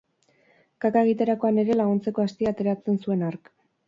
Kaka egiterakoan ere laguntzeko astia ateratzen zuen hark.